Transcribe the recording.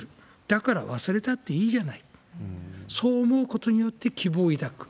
だから忘れたっていいじゃない、そう思うことによって希望を抱く。